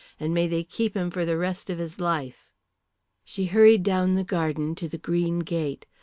And may they keep him for the rest of his life." She hurried down the garden to the green gate.